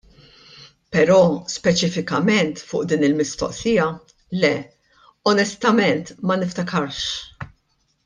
Però speċifikament fuq din il-mistoqsija, le, onestament ma niftakarx.